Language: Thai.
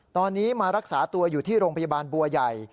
ตอนนี้มารักษาตัวอยู่ที่โรงพยาบาลบัวใหญ่